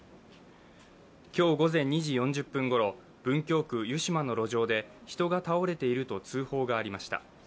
今日午前２時４０分ごろ文京区湯島の路上で人が倒れていると通報がありました。